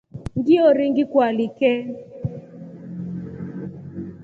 Ngiori ngikualike.